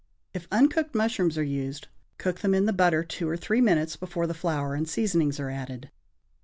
If uncooked mushrooms are used, cook them in the butter two or three minutes before the flour and seasonings are added.